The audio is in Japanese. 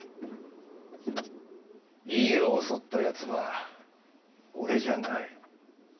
井伊を襲ったヤツは俺じゃない。